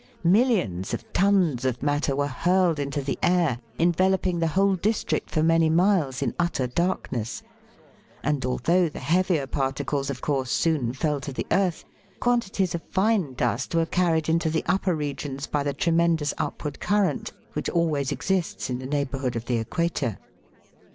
Millions of tons of matter were hurled into the air, enveloping the whole district for many miles in utter darkness ; and although the heavier particles, of course, soon fell to the earth, quantities of fine dust were carried into the upper regions by the tre mendous upward current, which always exists in the neigh bourhood of the equator.